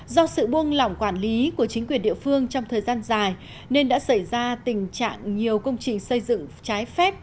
do sự buông lỏng quản lý của chính quyền địa phương trong thời gian dài nên đã xảy ra tình trạng nhiều công trình xây dựng trái phép